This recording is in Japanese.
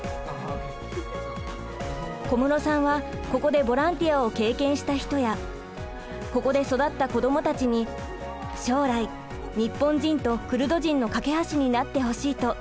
小室さんはここでボランティアを経験した人やここで育った子どもたちに将来日本人とクルド人の懸け橋になってほしいと願っています。